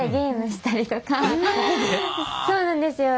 そうなんですよ。